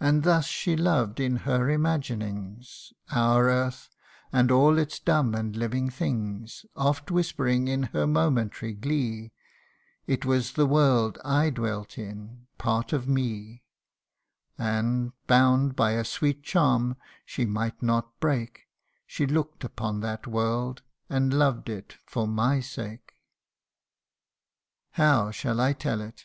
And thus she loved in her imaginings Our earth, and all its dumb and living things ; Oft whispering in her momentary glee, It was the world I dwelt in ; part of me: And, bound by a sweet charm she might not break, She look'd upon that world, and loved it for my sake. " How shall I tell it